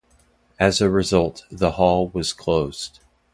As a result, the hall was closed.